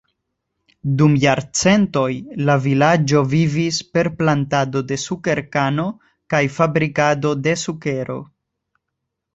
Dum jarcentoj, la vilaĝo vivis per plantado de sukerkano kaj fabrikado de sukero.